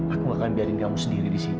aku akan biarin kamu sendiri disini